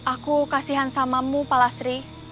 aku kasihan sama mu pak lastri